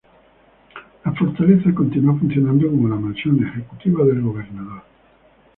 La Fortaleza continúa funcionando como la mansión ejecutiva del Gobernador.